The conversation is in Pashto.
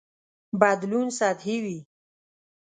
بدلون سطحي وي.